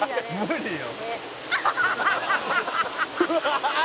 「無理よ」